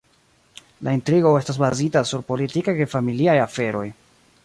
La intrigo estas bazita sur politikaj kaj familiaj aferoj.